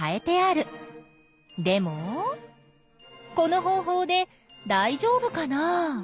でもこの方法でだいじょうぶかな？